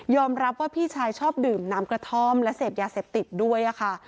รับว่าพี่ชายชอบดื่มน้ำกระท่อมและเสพยาเสพติดด้วยค่ะ